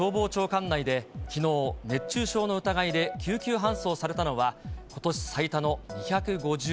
管内できのう、熱中症の疑いで救急搬送されたのは、ことし最多の２５２人。